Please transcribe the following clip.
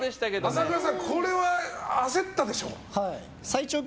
朝倉さんこれは焦ったでしょ？